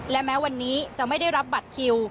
และแม้วันนี้จะไม่ได้รับบัตรคิว